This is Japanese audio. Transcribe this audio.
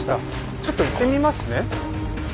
ちょっと行ってみますね。